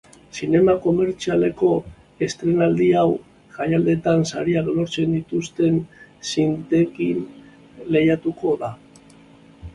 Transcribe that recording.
Zinema komertzialeko estreinaldi hau jaialdietan sariak lortu dituzten zintekin lehiatuko da.